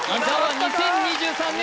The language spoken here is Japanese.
２０２３年